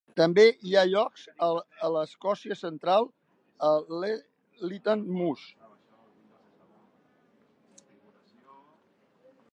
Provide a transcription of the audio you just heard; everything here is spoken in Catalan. També hi ha llocs a l'Escòcia Central a Letham Moss.